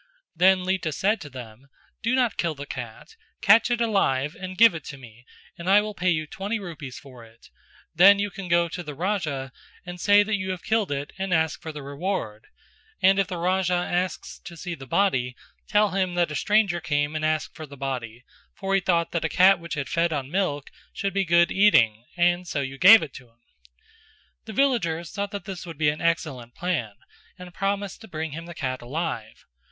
Then Lita said to them "Do not kill the cat; catch it alive and give it to me and I will pay you twenty rupees for it; then you can go to the Raja and say that you have killed it and ask for the reward; and if the Raja asks to see the body tell him that a stranger came and asked for the body, for he thought that a cat which had fed on milk should be good eating and so you gave it to him." The villagers thought that this would be an excellent plan and promised to bring him the cat alive.